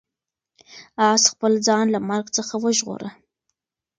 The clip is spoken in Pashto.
آس خپل ځان له مرګ څخه وژغوره.